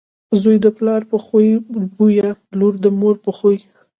زوی دپلار په خوی بويه، لور دمور په خوی .